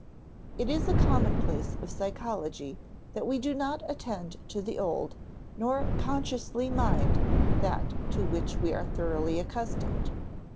It is a commonplace of psychology that we do not attend to the old, nor consciously mind that to which we are thoroughly accustomed.